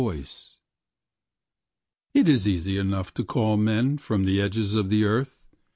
[Page 22] It is easy enough to call men from the edges of the earth.